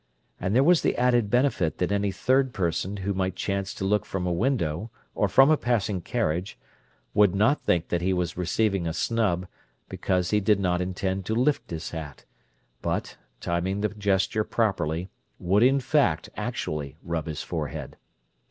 And there was the added benefit that any third person who might chance to look from a window, or from a passing carriage, would not think that he was receiving a snub, because he did not intend to lift his hat, but, timing the gesture properly, would in fact actually rub his forehead.